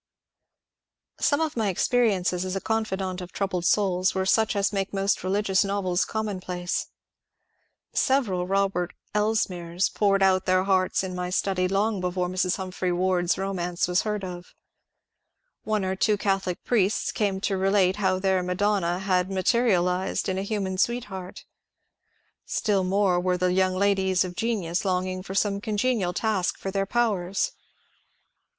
Some of my experiences as a confidant of troubled souls were such as make most religious novels commonplace. Sev eral " Robert Elsmeres " poured out their hearts in my study long before Mrs. Humphry Ward's romance was heard of ; one or two Catholic priests came to relate how their Madonna had " materialized " in a human sweetheart ; still more were the young ladies of genius longing for some congenial task for their powers.